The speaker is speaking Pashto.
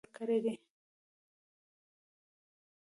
کلونه کېږي چې په خپل هېواد مو په خپله ماښام جوړ کړی دی.